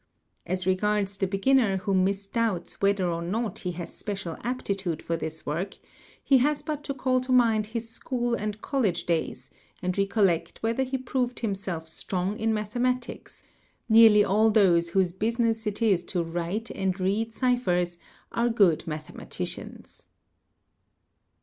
As regards the beginner who misdoubts whether or no he has special aptitude for this work, he has but to call to mind his school and college days and recollect whethe | he proved himself strong in mathematics; nearly all those whose business _ it is to write and read ciphers are good mathematicians.